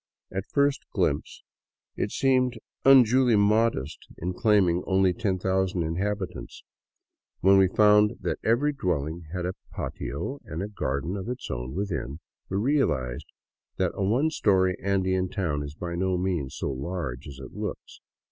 At first glimpse, it seemed unduly modest 74 ALONG THE CAUCA VALLEY in claiming only ten thousand inhabitants; when we found that every dwelling had a patio and a garden of its own within, we realized that a one story Andean town is by no means so large as it looks.